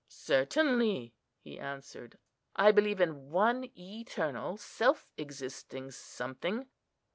"Certainly," he answered; "I believe in one eternal, self existing something."